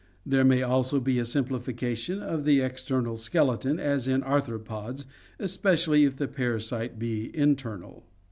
There may also be a simplification of the external skeleton as in arthropods, especially if the parasite be internal.